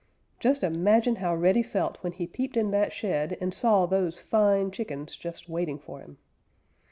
Just imagine how Reddy felt when he peeped in that shed and saw those fine chickens just waiting for him.